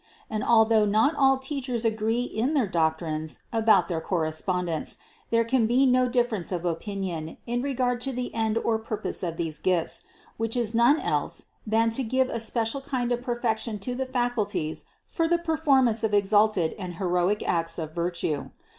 And although not all teachers agree in their doctrines about their correspon dence, there can be no difference of opinion in regard to the end or purpose of these gifts, which is none else than to give a special kind of perfection to the faculties for the performance of exalted and heroic acts of virtue.